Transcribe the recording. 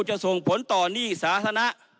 จะส่งผลต่อหนี้สาธารณะ